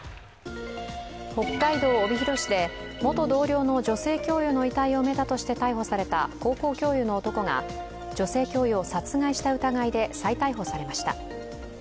北海道帯広市で元同僚の女性教諭の遺体を埋めたとして逮捕された高校教諭のの男が女性教諭を殺害した疑いで再逮捕されました。